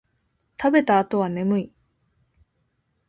食べた後は眠い